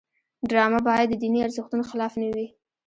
ډرامه باید د دیني ارزښتونو خلاف نه وي